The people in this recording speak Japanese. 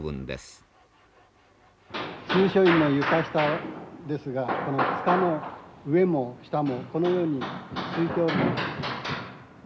中書院の床下ですがこのつかの上も下もこのようにすいておるんです。